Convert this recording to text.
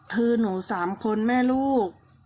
คือหนู๓คนแม่ลูก